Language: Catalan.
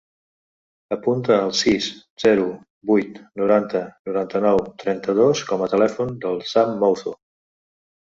Apunta el sis, zero, vuit, noranta, noranta-nou, trenta-dos com a telèfon del Sam Mouzo.